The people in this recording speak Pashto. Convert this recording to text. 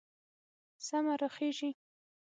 سمه راخېژي